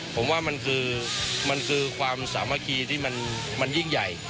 ผมว่ามันคือมันคือความสามัคคีที่มันยิ่งใหญ่